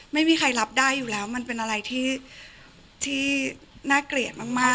ไม่มีใครรับได้อยู่แล้วมันเป็นอะไรที่